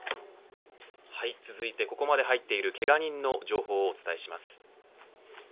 続いてここまで入っているけが人の情報をお伝えします。